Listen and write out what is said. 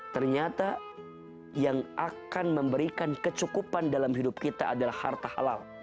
ternyata yang akan memberikan kecukupan dalam hidup kita adalah harta halal